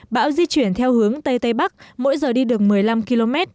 bão di chuyển theo hướng tây tây bắc mỗi giờ đi được một mươi năm km